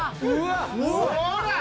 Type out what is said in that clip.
ほら！